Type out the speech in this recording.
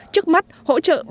trước mắt hỗ trợ